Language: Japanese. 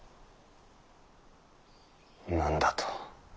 何だと？